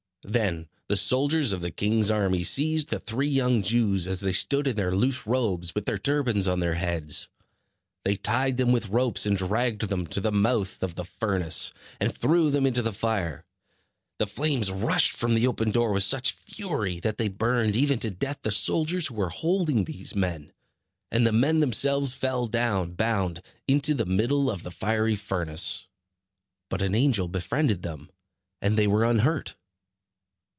Then the soldiers of the king's army seized the three young Jews, as they stood in their loose robes, with their turbans on their heads. They tied them with ropes, and dragged them to the mouth of the furnace, and threw them into the fire. The flames rushed from the opened door with such fury that they burned even to death the soldiers who were holding these men; and the men themselves fell down bound into the middle of the fiery furnace. But an angel befriended them and they were unhurt.